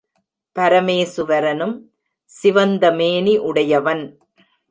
பரமேசுவரனும் சிவந்த மேனி உடையவன்.